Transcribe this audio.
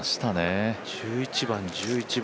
１１番、１１番。